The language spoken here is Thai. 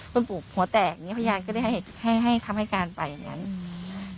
คุณปู่หัวแตกเนี้ยพยานก็ได้ให้ให้ให้ทำให้การไปอย่างงี้อืม